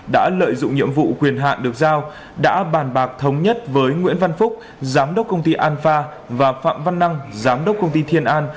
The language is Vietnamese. đã lợi dụng nhiệm vụ quyền hạn được giao đã bàn bạc thống nhất với nguyễn văn phúc giám đốc công ty an pha và phạm văn năng giám đốc công ty thiên an